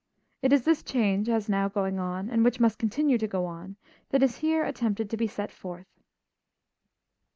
It is this change as now going on, and which must continue to go on, that is here attempted to be set forth.